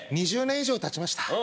２０年以上たちました